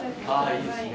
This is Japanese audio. いいですね。